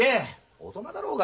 大人だろうが。